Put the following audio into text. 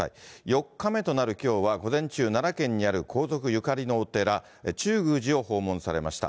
４日目となるきょうは、午前中、奈良県にある皇族ゆかりのお寺、中宮寺を訪問されました。